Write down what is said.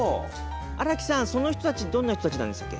荒木さんその人たちどんな人たちなんでしたっけ？